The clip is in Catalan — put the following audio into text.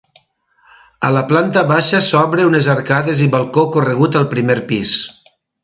A la planta baixa s'obre unes arcades i balcó corregut al primer pis.